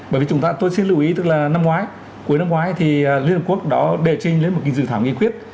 bởi vì chúng ta tôi xin lưu ý tức là năm ngoái cuối năm ngoái thì liên hợp quốc đó đề trình lên một kinh dự thảo nghiên quyết